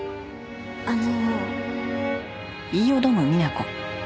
あの。